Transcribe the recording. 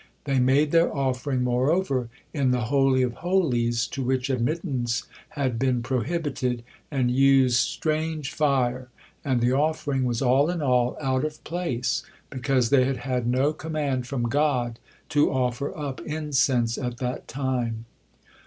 They made their offering, moreover, in the Holy of Holies, to which admittance had been prohibited, and used "strange fire," and the offering was all in all out of place because they had had no command from God to offer up incense at that time.